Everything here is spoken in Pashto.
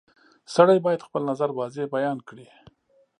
• سړی باید خپل نظر واضح بیان کړي.